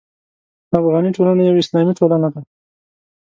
افغاني ټولنه یوه اسلامي ټولنه ده.